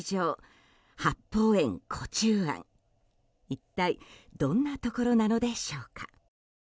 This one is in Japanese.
一体どんなところなのでしょうか。